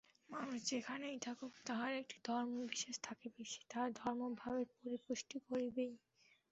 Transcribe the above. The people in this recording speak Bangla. মানুষ যেখানেই থাকুক, তাহার একটি ধর্মবিশ্বাস থাকিবেই, সে তাহার ধর্মভাবের পরিপুষ্টি করিবেই।